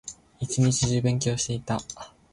一日中勉強していた